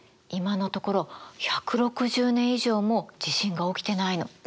今のところ１６０年以上も地震が起きてないの。